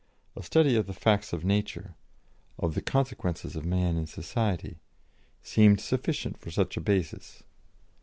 A study of the facts of nature, of the consequences of man in society, seemed sufficient for such a basis.